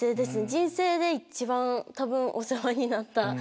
人生で一番多分お世話になった。